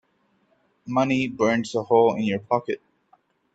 Money burns a hole in your pocket.